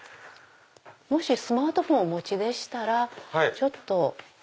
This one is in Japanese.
スマートフォンお持ちでしたらちょっと。